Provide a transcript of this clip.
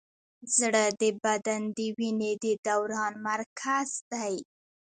زړه د بدن د وینې د دوران مرکز دی.